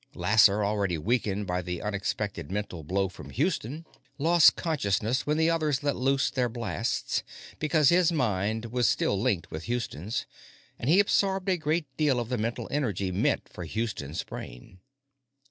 Lasser, already weakened by the unexpected mental blow from Houston, lost consciousness when the others let loose their blasts because his mind was still linked with Houston's, and he absorbed a great deal of the mental energy meant for Houston's brain.